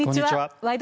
「ワイド！